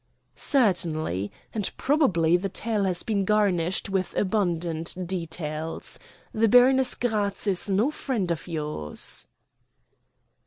"Certainly. And probably the tale has been garnished with abundant details. The Baroness Gratz is no friend of yours."